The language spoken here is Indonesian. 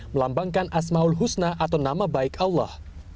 melambangkan asmaul husna atau nama baik allah